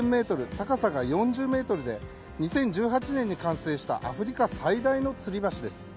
高さが４０ｍで２０１８年に完成したアフリカ最大のつり橋です。